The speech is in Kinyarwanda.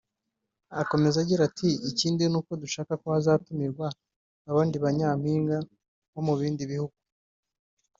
Akomeza agira ati “Ikindi ni uko dushaka ko hazatumirwa abandi ba Nyampinga bo mu bindi bihugu